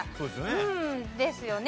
うんですよね。